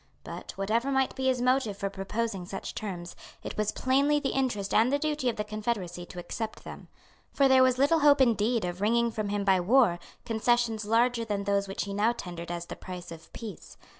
But, whatever might be his motive for proposing such terms, it was plainly the interest and the duty of the Confederacy to accept them. For there was little hope indeed of wringing from him by war concessions larger than those which he now tendered as the price of peace.